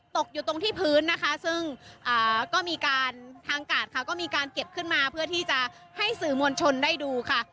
ตกอยู่ตรงที่พื้นนะคะซึ่งก็มีการทางกาดค่ะก็มีการเก็บขึ้นมาเพื่อที่จะให้สื่อมวลชนได้ดูค่ะ